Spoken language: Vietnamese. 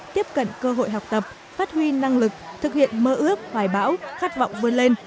tiếp cận cơ hội học tập phát huy năng lực thực hiện mơ ước hoài bão khát vọng vươn lên